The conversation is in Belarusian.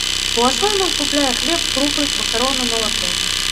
У асноўным купляе хлеб, крупы, макароны, малако.